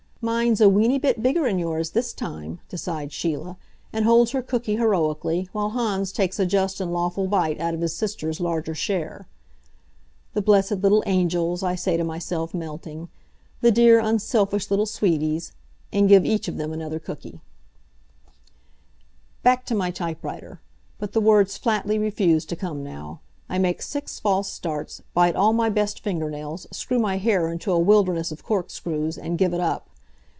"Mine's a weeny bit bigger'n yours this time," decides Sheila, and holds her cooky heroically while Hans takes a just and lawful bite out of his sister's larger share. "The blessed little angels!" I say to myself, melting. "The dear, unselfish little sweeties!" and give each of them another cooky. Back to my typewriter. But the words flatly refuse to come now. I make six false starts, bite all my best finger nails, screw my hair into a wilderness of cork screws and give it up.